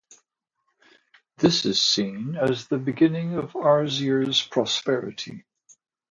This is seen as the beginning of Arzier's prosperity.